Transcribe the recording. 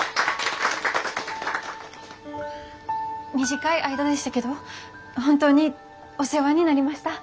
短い間でしたけど本当にお世話になりました。